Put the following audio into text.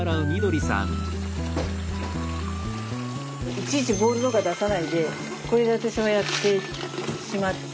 いちいちボウルとか出さないでこれで私はやってしまっていて。